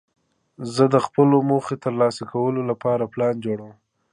زه د خپلو موخو د ترلاسه کولو له پاره پلان جوړوم.